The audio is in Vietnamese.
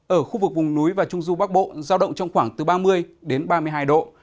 ở khu vực vùng núi và trung du bắc bộ giao động trong khoảng từ ba mươi đến ba mươi hai độ